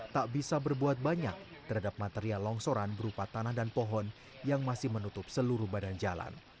tak bisa berbuat banyak terhadap material longsoran berupa tanah dan pohon yang masih menutup seluruh badan jalan